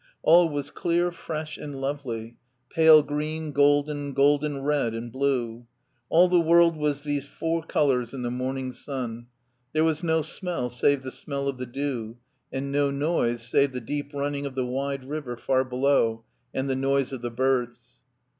All was clear, fresh, and lovely: pale green, golden, golden red, and blue. All the world was these four colors in the morning sun. There was no smell save the smell of the dew, and no noise save the deep run ning of the wide river far below and the noise of the birds.